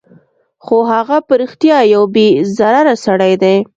خو هغه په رښتیا یو بې ضرره سړی دی